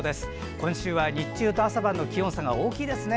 今週は日中と朝晩の気温差が大きいですね。